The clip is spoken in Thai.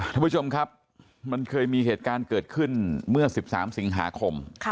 ท่านผู้ชมครับมันเคยมีเหตุการณ์เกิดขึ้นเมื่อ๑๓สิงหาคม